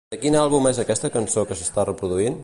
De quin àlbum és aquesta cançó que s'està reproduint?